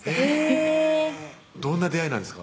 へぇどんな出会いなんですか？